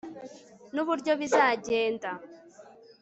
nuburyo bizagenda